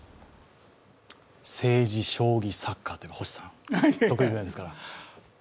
政治、将棋、サッカーといえば星さん、得意分野ですから。